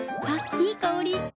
いい香り。